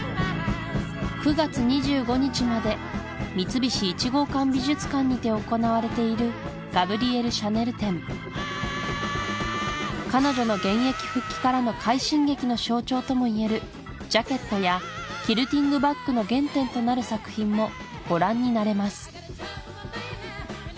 ９月２５日まで三菱一号館美術館にて行われているガブリエル・シャネル展彼女の現役復帰からの快進撃の象徴ともいえるジャケットやキルティングバッグの原点となる作品もご覧になれます